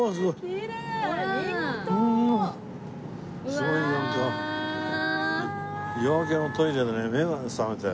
すごいなんか夜明けのトイレでね目が覚めたよ。